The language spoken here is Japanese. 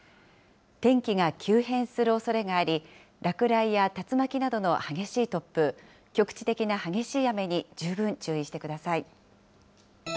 天気が急変するおそれがあり、落雷や竜巻などの激しい突風、局地的な激しい雨に十分注意してください。